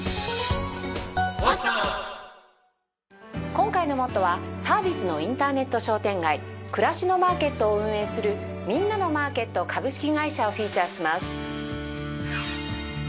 今回の『ＭＯＴＴＯ！！』はサービスのインターネット商店街くらしのマーケットを運営するみんなのマーケット株式会社をフィーチャーします。